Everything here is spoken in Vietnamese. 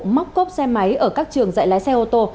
móc cốc xe máy ở các trường dạy lái xe ô tô